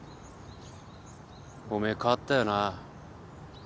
おめえ変わったよな。